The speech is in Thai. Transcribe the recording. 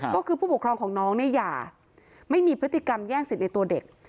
ก็คือผู้ปกครองของน้องเนี่ยอย่าไม่มีพฤติกรรมแย่งสิทธิ์ในตัวเด็ก